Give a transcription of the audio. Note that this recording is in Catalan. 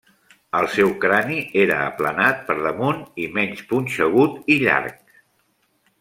El seu crani era aplanat per damunt i menys punxegut i llarg.